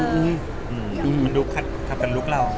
มันดูขัดกันลุกเรา